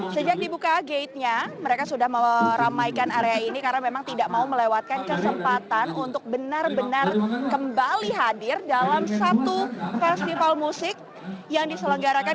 sejak dibuka gate nya mereka sudah meramaikan area ini karena memang tidak mau melewatkan kesempatan untuk benar benar kembali hadir dalam satu festival musik yang diselenggarakan